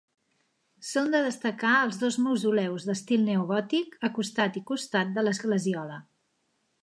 Són de destacar els dos mausoleus d'estil neogòtic a costat i costat de l'esglesiola.